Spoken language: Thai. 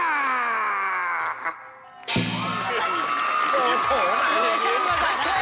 จอจอจอ